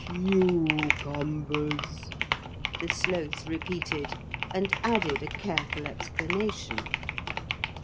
'Cucumbers,' the Sloth repeated, and added a careful explanation.